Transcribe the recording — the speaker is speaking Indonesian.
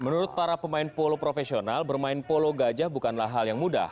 menurut para pemain polo profesional bermain polo gajah bukanlah hal yang mudah